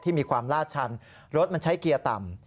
มีความลาดชันรถมันใช้เกียร์ต่ำ